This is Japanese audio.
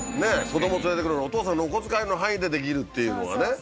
子ども連れていくのお父さんのお小遣いの範囲でできるっていうのがね。